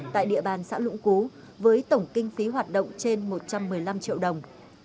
tại địa bàn xã lũng cú với tổng kinh phí hoạt động trên một trăm một mươi năm triệu đồng